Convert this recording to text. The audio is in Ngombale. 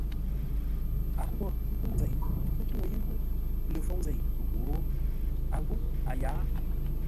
A kwo ńkə́u nzeʼ pə́ tuŋu yé ńgó ləfôu zei ghǒ, a ghó a yǎa.